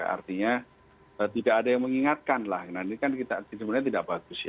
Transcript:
artinya tidak ada yang mengingatkan lah ini kan sebenarnya tidak bagus ya